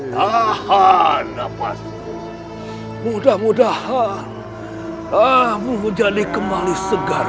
tahan nafas mudah mudahan kamu menjadi kemali segar